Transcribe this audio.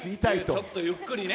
ちょっとゆっくりね。